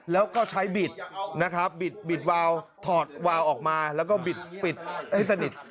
แล้วก็ใช้บิดนะครับบิดวาวถอดวาวออกมาแล้วก็บิดให้สนิท